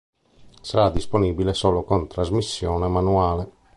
Sarà disponibile solo con trasmissione manuale.